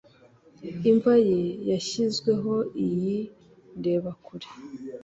imva ye yashyizweho iyi ndebakure